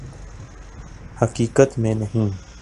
حقیقت میں نہیں